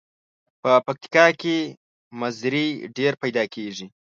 په پکتیا کې مزري ډیر پیداکیږي.